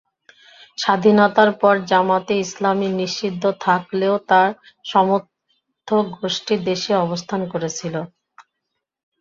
স্বাধীনতার পর জামায়াতে ইসলামী নিষিদ্ধ থাকলেও তার সমর্থকগোষ্ঠী দেশেই অবস্থান করছিল।